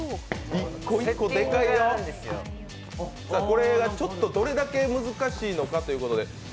これがどれだけ難しいのかということです。